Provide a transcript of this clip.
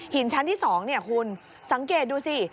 หินชั้นที่สองนี่คุณสังเกตดูสิ